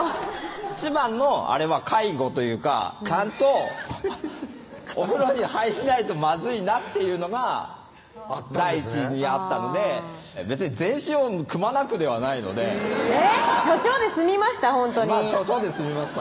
一番のあれは介護というかちゃんとお風呂に入んないとまずいなっていうのが第一にあったので別に全身をくまなくではないのでちょちょで済みました？